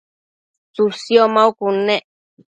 tsësio maucud nec